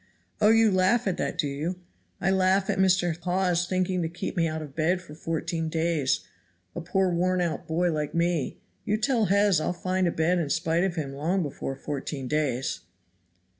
"Oh, you laugh at that, do you?" "I laugh at Mr. Hawes thinking to keep me out of bed for fourteen days, a poor wornout boy like me. You tell Hawes I'll find a bed in spite of him long before fourteen days."